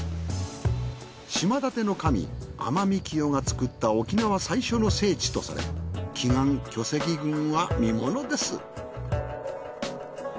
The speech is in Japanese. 島建ての神アマミキヨが創った沖縄最初の聖地とされ奇岩巨石群は見ものです。